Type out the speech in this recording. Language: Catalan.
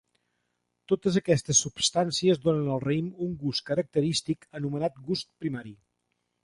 Totes aquestes substàncies donen al raïm un gust característic anomenat gust primari.